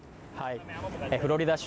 フロリダ州